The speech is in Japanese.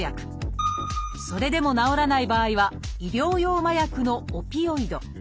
それでも治らない場合は医療用麻薬のオピオイド。